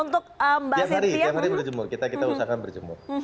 tiap hari berjemur kita usahakan berjemur